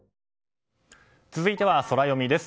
続いてはソラよみです。